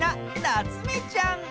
なつめちゃん！